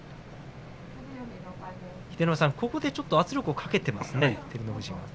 秀ノ山さん、圧力をかけていますね照ノ富士。